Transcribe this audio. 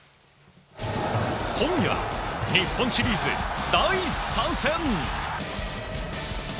今夜、日本シリーズ第３戦！